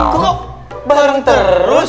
kok bareng terus